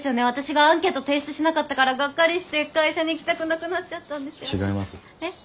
私がアンケートを提出しなかったからガッカリして会社に行きたくなくなっちゃったんですよね。